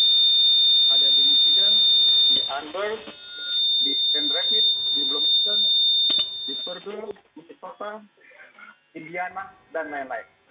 katakan ada di chicago ada di minnesota ada di michigan di andor di st david di bloomington di purdue di kutipota indiana dan lain lain